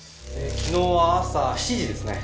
昨日は朝７時ですね。